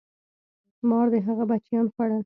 مار د هغه بچیان خوړل.